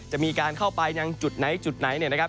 จะมีการเข้าไปยังจุดไหนจุดไหนเนี่ยนะครับ